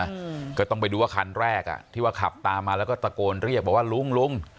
อืมก็ต้องไปดูว่าคันแรกอ่ะที่ว่าขับตามมาแล้วก็ตะโกนเรียกบอกว่าลุงลุง